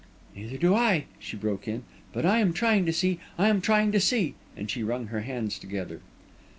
"Neither do I," she broke in. "But I am trying to see I am trying to see!" and she wrung her hands together.